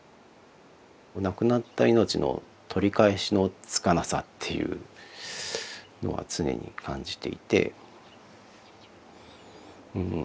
亡くなった命の取り返しのつかなさっていうのは常に感じていて。